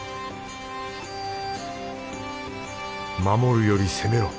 守るより攻めろ！